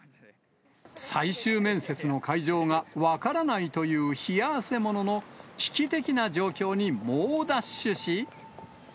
最終面接の会場が分からないという冷や汗ものの危機的な状況に猛ダッシュし。